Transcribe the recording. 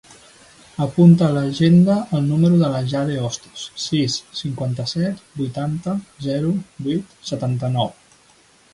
Apunta a l'agenda el número de la Jade Ostos: sis, cinquanta-set, vuitanta, zero, vuit, setanta-nou.